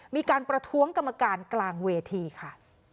มีการประท้วงกรรมการกลางเวทีค่ะ